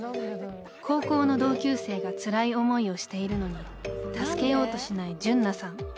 ［高校の同級生がつらい思いをしているのに助けようとしない純奈さん］